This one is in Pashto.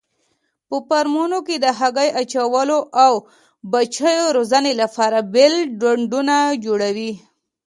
په فارمونو کې د هګۍ اچولو او بچیو روزنې لپاره بېل ډنډونه جوړوي.